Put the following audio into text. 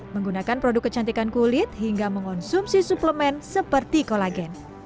menggunakan produk kecantikan kulit hingga mengonsumsi suplemen seperti kolagen